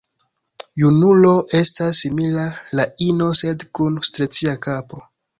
Junulo estas simila al ino, sed kun strieca kapo.